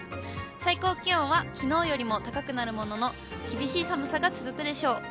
最高気温はきのうよりも高くなるものの、厳しい寒さが続くでしょう。